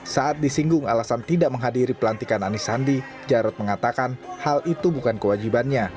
saat disinggung alasan tidak menghadiri pelantikan anies sandi jarod mengatakan hal itu bukan kewajibannya